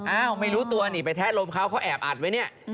อ้าวไม่รู้ตัวนี่ไปแทะลมเขาเขาแอบอัดไว้เนี่ย